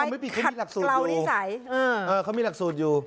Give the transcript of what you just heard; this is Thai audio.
ไปขัดเกลานิสัยเขามีหลักสูตรอยู่